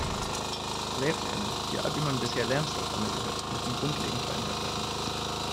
Lehrpläne, die Art, wie man bisher Lernstoff vermittelt hat, müssen grundlegend verändert werden.